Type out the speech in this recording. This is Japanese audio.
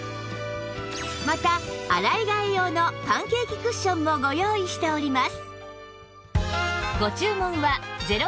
また洗い替え用のパンケーキクッションもご用意しております